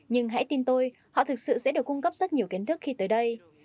nhưng hãy tin tôi họ thực sự sẽ được cung cấp rất nhiều kiến thức khi tới đây